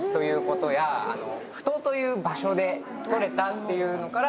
っていうのから